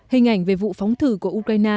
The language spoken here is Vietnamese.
hình ảnh về vụ phóng thử của ukraine